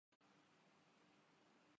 چلو کوئی بات نہیں خانہ پوری ھو جاے گی